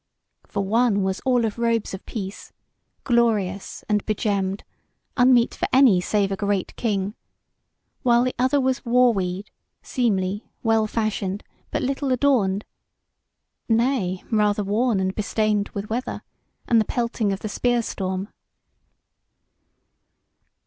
For one was all of robes of peace, glorious and be gemmed, unmeet for any save a great king; while the other was war weed, seemly, well fashioned, but little adorned; nay rather, worn and bestained with weather, and the pelting of the spear storm.